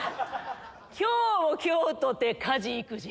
今日も今日とて家事育児！